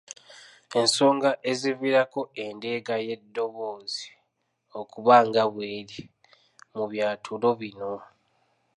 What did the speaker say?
Ensonga eziviirako endeega y’eddoboozi okuba nga bw'eri mu byatulo bino.